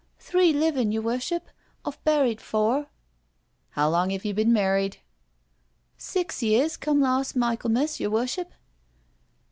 '• Three livin', yer worship. I've buried four. " How long have you been married?" " Six years come lars' Michelmas, yer Worship."